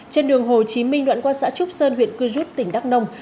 trên đường hồ chí minh đoạn qua xã trúc sơn huyện cư rút tỉnh đắk nông